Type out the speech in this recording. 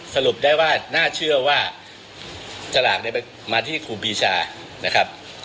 สรุปได้ว่าน่าเชื่อว่าสลากเนี่ยมาที่ครูปีชานะครับ